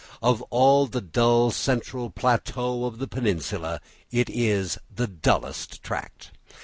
Of all the dull central plateau of the Peninsula it is the dullest tract.